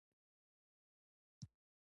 د ماښامونو خاموش رڼا زړه راښکونکې ده